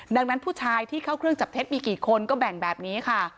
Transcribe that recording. ดังนั้นผู้ชายที่เข้าเครื่องจับเท็จมีกี่คนก็แบ่งแบบนี้ค่ะ